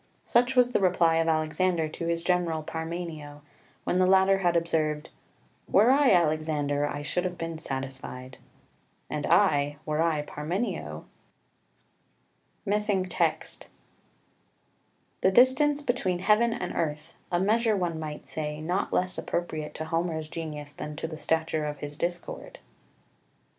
Such was the reply of Alexander to his general Parmenio, when the latter had observed, "Were I Alexander, I should have been satisfied"; "And I, were I Parmenio"... The distance between heaven and earth a measure, one might say, not less appropriate to Homer's genius than to the stature of his discord.